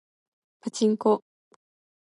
パチンコ